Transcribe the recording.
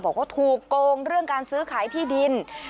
บอกว่าถูกโกงเรื่องการซื้อขายที่ดิน